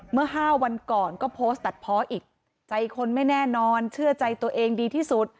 เมื่อ๕วันก่อนก็โพสต์ตัดเพาะอีกใจคนไม่แน่นอนเชื่อใจตัวเองดีที่สุด